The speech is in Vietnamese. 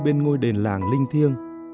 bên ngôi đền làng linh thiêng